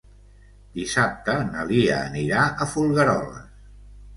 Dissabte na Lia anirà a Folgueroles.